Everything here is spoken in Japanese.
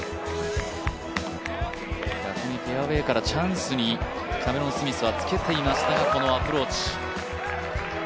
逆にフェアウエーからチャンスにキャメロン・スミスはつけていましたがこのアプローチ。